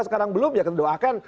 sekarang belum ya kita doakan